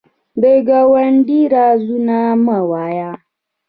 د ګاونډي رازونه مه وایه